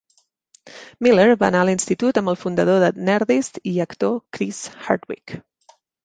Miller va anar a l'institut amb el fundador de Nerdist i actor Chris Hardwick.